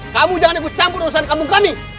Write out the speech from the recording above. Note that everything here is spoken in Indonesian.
kamu jangan lupa campur dosa di kampung kami